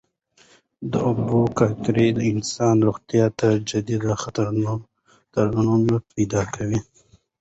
د اوبو ککړتیا د انسان روغتیا ته جدي خطرونه پیدا کوي.